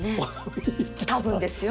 多分ですよ。